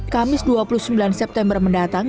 kamis dua puluh sembilan september mendatang